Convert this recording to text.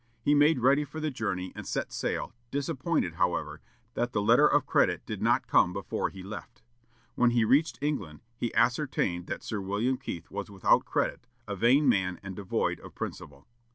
He made ready for the journey, and set sail, disappointed, however, that the letter of credit did not come before he left. When he reached England, he ascertained that Sir William Keith was without credit, a vain man and devoid of principle.